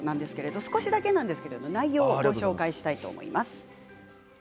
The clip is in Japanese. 少しだけ内容を紹介したいと思います。